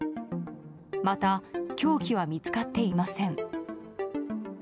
また、凶器は見つかっていません。